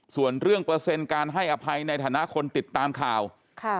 ส่วนเรื่องเปอร์เซ็นต์การให้อภัยในฐานะคนติดตามข่าวค่ะ